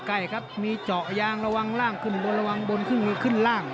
ใกล้ครับมีเจาะยางระวังล่างขึ้นบนระวังบนขึ้นล่าง